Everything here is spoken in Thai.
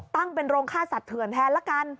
ตั้งเป็นโรงค่าสัตว์เถื่อนแทนละกัน